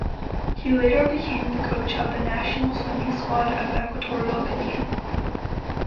He later became the coach of the national swimming squad of Equatorial Guinea.